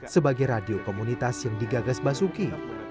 sebagai radio komunitas yang digagas basuki